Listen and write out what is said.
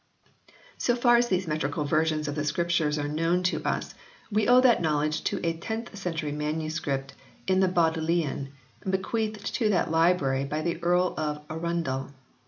So far as these metrical versions of the Scriptures are known to us we owe that knowledge to a tenth century manuscript in the Bodleian, bequeathed to that library by the Earl of Arundel.